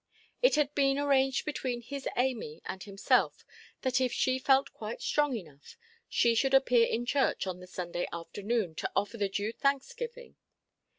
It had been arranged between his Amy and himself, that if she felt quite strong enough, she should appear in church on the Sunday afternoon, to offer the due thanksgiving.